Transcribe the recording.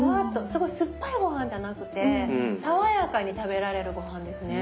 すごい酸っぱいごはんじゃなくて爽やかに食べられるごはんですね。